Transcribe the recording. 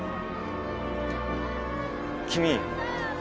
君